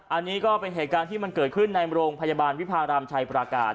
อันนี้ก็เป็นเหตุการณ์ที่มันเกิดขึ้นในโรงพยาบาลวิพารามชัยปราการ